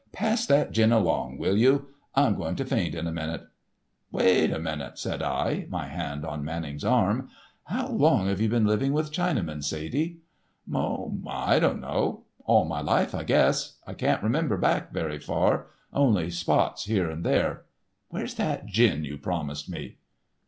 Pass that gin along, will you? I'm going to faint in a minute." "Wait a minute," said I, my hand on Manning's arm. "How long have you been living with Chinamen, Sadie?" "Oh, I don't know. All my life, I guess. I can't remember back very far—only spots here and there. Where's that gin you promised me?"